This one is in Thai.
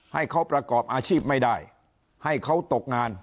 ให้เขาประกอบอาชีพไม่ได้ให้เขาตกงาน